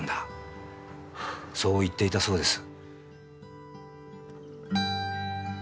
そう言っていたそうです。